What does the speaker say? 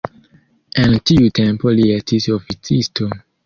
En tiu tempo li estis oficisto.